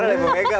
oke ibu mega